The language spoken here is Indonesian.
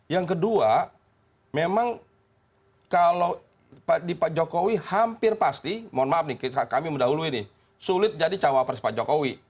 yang kedua memang kalau di pak jokowi hampir pasti mohon maaf nih kami mendahului nih sulit jadi cawapres pak jokowi